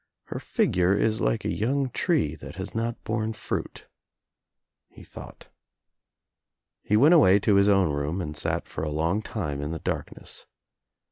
Her figure is like a young tree I that has not borne fruit," he thought. He went away to his own room and sat for a long time in the dark ness.